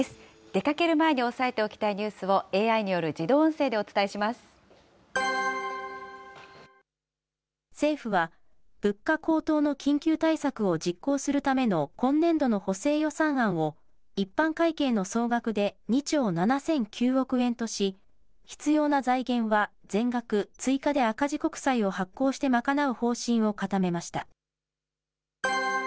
出かける前に押さえておきたいニュースをＡＩによる自動音声でお政府は、物価高騰の緊急対策を実行するための今年度の補正予算案を、一般会計の総額で２兆７００９億円とし、必要な財源は全額、追加で赤字国債を発行して賄う方針を固めました。